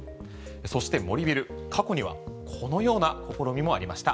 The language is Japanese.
そして森ビル、過去にはこのような試みもありました。